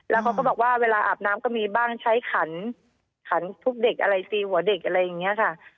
แล้วเขาก็บอกว่าเวลาอาบน้ำก็มีบ้างใช้ขันขันทุบเด็กอะไรตีหัวเด็กอะไรอย่างนี้ค่ะ